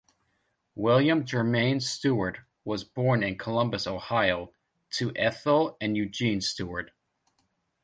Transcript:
William Jermaine Stewart was born in Columbus, Ohio, to Ethel and Eugene Stewart.